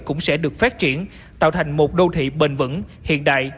cũng sẽ được phát triển tạo thành một đô thị bền vững hiện đại